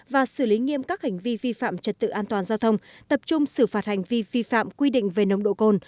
và xử lý nghiêm các hành vi vi phạm trật tự an toàn giao thông tập trung xử phạt hành vi vi phạm quy định về nồng độ cồn